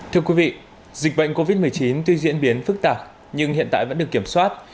thưa quý vị dịch bệnh covid một mươi chín tuy diễn biến phức tạp nhưng hiện tại vẫn được kiểm soát